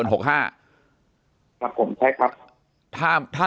จนถึงปัจจุบันมีการมารายงานตัว